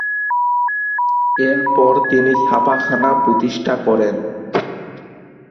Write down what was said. এরপর তিনি ছাপাখানা প্রতিষ্ঠা করেন।